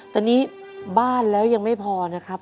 ตอนนี้บ้านแล้วยังไม่พอนะครับ